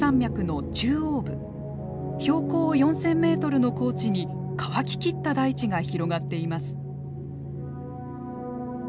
標高４，０００メートルの高地に乾ききった大地が広がっています。